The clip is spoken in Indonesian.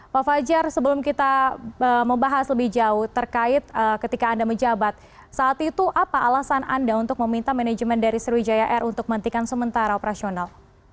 pak fajar sebelum kita membahas lebih jauh terkait ketika anda menjabat saat itu apa alasan anda untuk meminta manajemen dari sriwijaya air untuk menghentikan sementara operasional